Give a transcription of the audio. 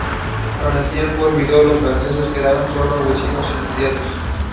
It is sometimes nicknamed the "Paper capital of Finland".